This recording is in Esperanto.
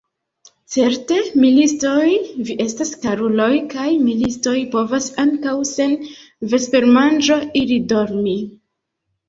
Certe, militistoj vi estas, karuloj, kaj militistoj povas ankaŭ sen vespermanĝo iri dormi!